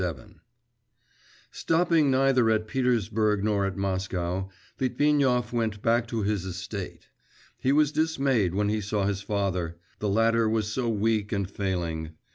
XXVII Stopping neither at Petersburg nor at Moscow, Litvinov went back to his estate. He was dismayed when he saw his father; the latter was so weak and failing.